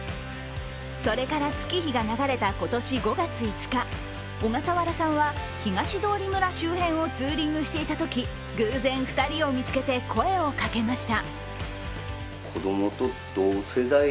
それから、月日が流れた今年５月５日小笠原さんは東通村周辺をツーリングしていたとき偶然、２人を見つけて声をかけました。